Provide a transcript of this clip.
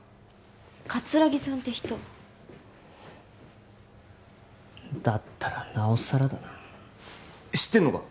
葛城さんって人だったらなおさらだな知ってんのか！？